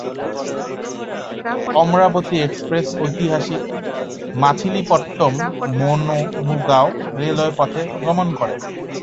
Amaravati express ঐতিহাসিক মাছিলিপট্টম-মৌনমুগাও railway পথে গমন করে।